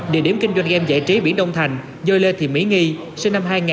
địa điểm kinh doanh game giải trí biển đông thành do lê thị mỹ nghi sinh năm hai nghìn